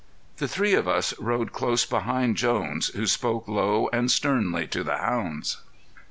The three of us rode close behind Jones, who spoke low and sternly to the hounds.